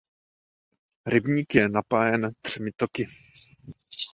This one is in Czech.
Rybník je napájen třemi toky.